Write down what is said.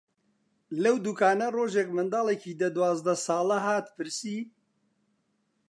لەو دووکانە ڕۆژێک منداڵێکی دە-دوازدە ساڵە هات پرسی: